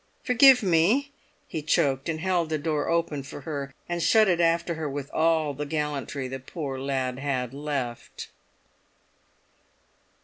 "Forgive me!" he choked, and held the door open for her, and shut it after her with all the gallantry the poor lad had left.